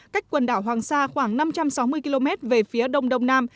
cách quần đảo hoàng sa khoảng năm trăm sáu mươi km về phía đông đông nam